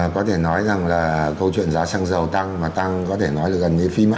có thể nói rằng là câu chuyện giá xăng dầu tăng mà tăng có thể nói là gần như phi mắt